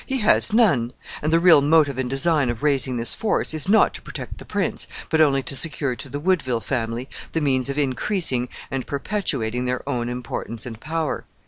He has none, and the real motive and design of raising this force is not to protect the prince, but only to secure to the Woodville family the means of increasing and perpetuating their own importance and power."